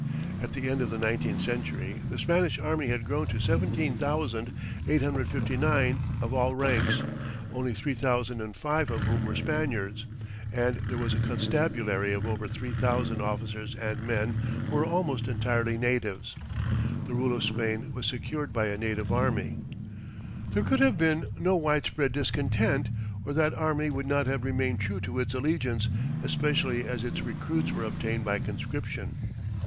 At the end of the nineteenth century, the Spanish army had grown to 17,859 of all ranks, only 3,005 of whom were Spaniards, and there was a constabulary of over 3,000 officers and men, who were almost entirely natives. The rule of Spain was secured by a native army. There could have been no widespread discontent, or that army would not have remained true to its allegiance, especially as its recruits were obtained by conscription.